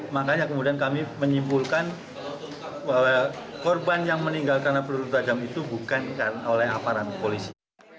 makanya kemudian kami menyimpulkan bahwa korban yang meninggal karena peluru tajam itu bukan oleh aparat polisi